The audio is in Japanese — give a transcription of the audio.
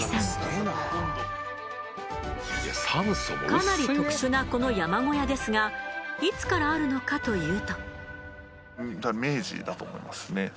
かなり特殊なこの山小屋ですがいつからあるのかというと。